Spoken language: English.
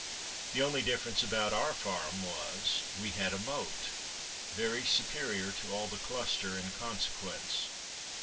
The only difference about our farm was, we had a moat. Very superior to all the cluster in consequence.